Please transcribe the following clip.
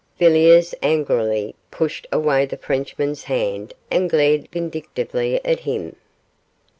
Villiers angrily pushed away the Frenchman's hand and glared vindictively at him.